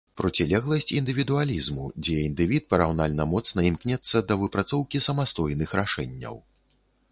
Процілегласць індывідуалізму, дзе індывід параўнальна моцна імкнецца да выпрацоўкі самастойных рашэнняў.